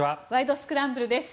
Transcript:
スクランブル」です。